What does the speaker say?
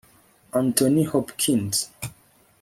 anthony hopkins